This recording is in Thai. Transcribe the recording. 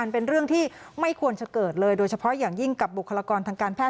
เป็นเรื่องที่ไม่ควรจะเกิดเลยโดยเฉพาะอย่างยิ่งกับบุคลากรทางการแพท